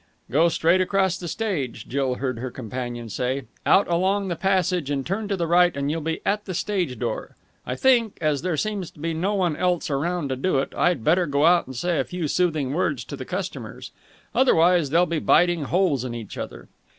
"Go straight across the stage," Jill heard her companion say, "out along the passage and turn to the right, and you'll be at the stage door. I think, as there seems no one else around to do it, I'd better go out and say a few soothing words to the customers. Otherwise they'll be biting holes in each other."